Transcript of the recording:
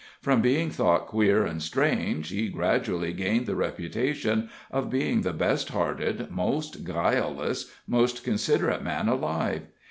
From being thought queer and strange, he gradually gained the reputation of being the best hearted, most guileless, most considerate man alive.